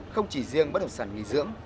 không chỉ riêng bất đồng sản nghỉ dưỡng